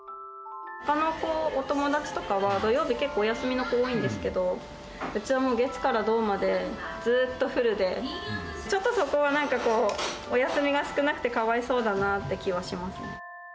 ほかのお友達とかは土曜日、結構お休みの子多いんですけど、うちはもう月から土までずっとフルで、ちょっとそこはなんかこう、お休みが少なくてかわいそうだなって気はします。